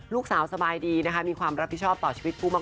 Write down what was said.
ลูกสาวสบายดีมีความรับผิดชอบต่อชีวิตฟูมัก